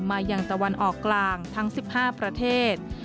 มายังตะวันออกกลางทั้ง๑๕ประเทศ